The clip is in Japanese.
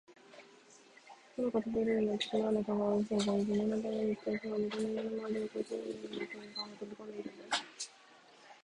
窓からとびおりるなんて、つまらない考えはよしたほうがいいぜ。念のためにいっておくがね、この家のまわりは、五十人の警官がとりかこんでいるんだよ。